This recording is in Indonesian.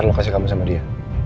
ntar lokasi kamu sama dia